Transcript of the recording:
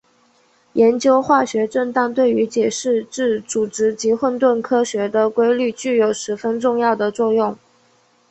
研究化学振荡对于解释自组织及混沌科学的规律具有十分重要的作用。